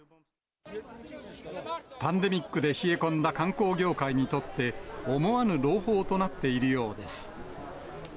パンデミックで冷え込んだ観光業界にとって、思わぬ朗報となっているようです。